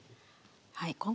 はい。